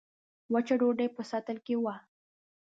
وچه ډوډۍ په سطل کې وه.